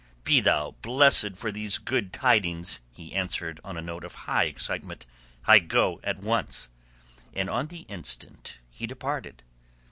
"Be thou blessed for these good tidings!" he answered on a note of high excitement. "I go at once." And on the instant he departed.